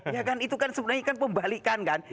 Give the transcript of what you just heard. ya kan itu kan sebenarnya kan pembalikan kan